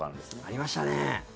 ありましたね。